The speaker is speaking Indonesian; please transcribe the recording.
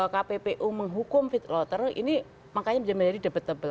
kppu menghukum fidlotter ini makanya menjadi debet debel